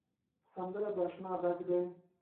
سندره د اشنا غږ دی